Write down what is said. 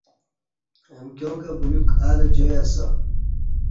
امکیاں کہ بلیوک الہ جائی اسہ